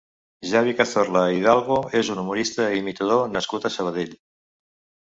Xavi Cazorla i Hidalgo és un humorista i imitador nascut a Sabadell.